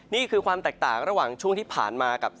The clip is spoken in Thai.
นี่คือความแตกต่างระหว่างช่วงที่ผ่านมากับ